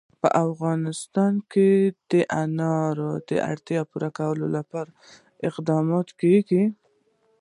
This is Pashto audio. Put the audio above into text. په افغانستان کې د انار د اړتیاوو پوره کولو لپاره اقدامات کېږي.